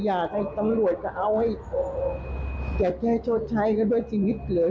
อยากให้ตำรวจก็เอาให้แก่ชดใช้กันด้วยชีวิตเลย